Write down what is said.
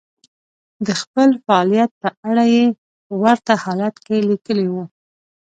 د خپل فعاليت په اړه يې په ورته حالت کې ليکلي وو.